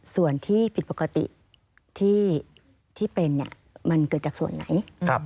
ส่วนที่ผิดปกติที่เป็นมันเกิดจากส่วนไหน